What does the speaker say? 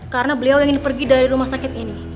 karena beliau yang ingin pergi dari rumah sakit ini